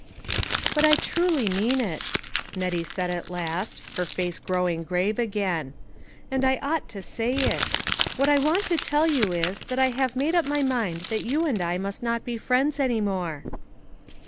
" But I truly mean it," Nettie said at last, her face growing grave again, " and I ought to say it. What I want to tell you is, that I have made up my mind that you and I must not be friends any more."